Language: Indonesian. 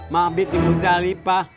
mabit di gujjalipah